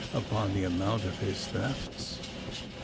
upon the amount of his thefts?